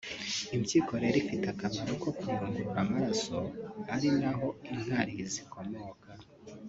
Impyiko rero ifite akamaro ko kuyungurura amaraso ari na ho inkari zikomoka